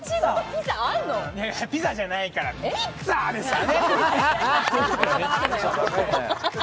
ピザじゃない、ピッツァですからね。